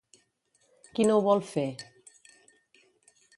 Qui no ho vol fer?